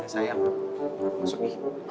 sayang masuk nih